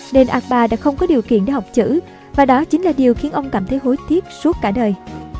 nên akbar đã không có điều kiện để học chữ và đó chính là điều khiến ông cảm thấy hối thiết suốt cả đời